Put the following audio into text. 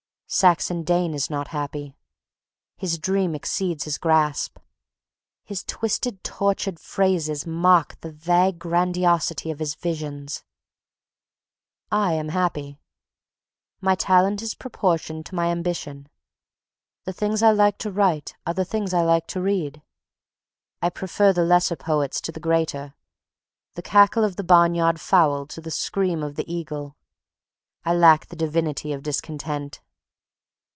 Saxon Dane is not happy. His dream exceeds his grasp. His twisted, tortured phrases mock the vague grandiosity of his visions. I am happy. My talent is proportioned to my ambition. The things I like to write are the things I like to read. I prefer the lesser poets to the greater, the cackle of the barnyard fowl to the scream of the eagle. I lack the divinity of discontent.